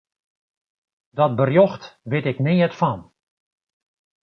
Dat berjocht wit ik neat fan.